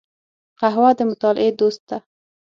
قهوه د مطالعې دوست ده